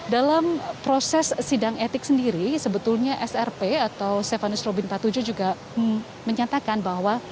dalam proses sidang etik sendiri sebetulnya srp atau stefanus robin empat puluh tujuh juga menyatakan bahwa